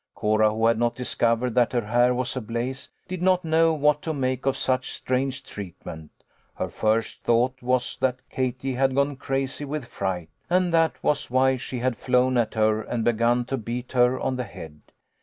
Cora, who had not discovered that her hair was 160 THE LITTLE COLONEL'S HOLIDAYS. ablaze, did not know what to make of such strange treatment. Her first thought was that Katie had gone crazy with fright, and that was why she had flown at her and begun to beat her on the head.